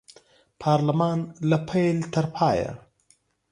پارلمان له پیل تر پایه